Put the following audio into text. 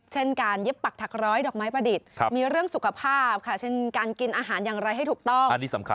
เช่นการเย็บปักถักร้อยดอกไม้ประดิษฐ์มีเรื่องสุขภาพค่ะเช่นการกินอาหารอย่างไรให้ถูกต้อง